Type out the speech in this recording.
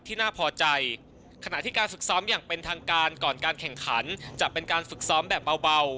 ไทยล่ะเชื่อไทยล่ะ